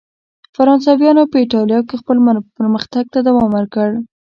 فرانسویانو په اېټالیا کې خپل پرمختګ ته دوام ورکړ.